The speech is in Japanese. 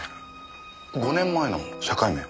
５年前の社会面。